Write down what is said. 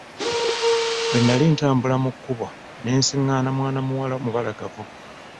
Bwe nnali ntambula mu kkubo ne nsiղղaana mwana muwala omubalagavu.